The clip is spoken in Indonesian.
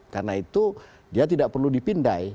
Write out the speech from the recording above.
karena itu dia tidak perlu dipindai